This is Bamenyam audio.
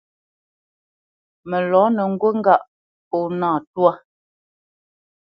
Mə lɔ̌nə ŋgút ŋgâʼ pó nâ twá.